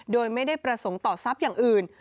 โดยไม่ได้ประสงค์ต่อทรัพย์อย่างอื่น